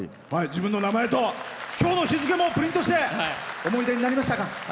自分の名前と今日の日付もプリントして思い出になりましたか。